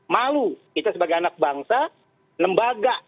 malu kita sebagai anak bangsa lembaga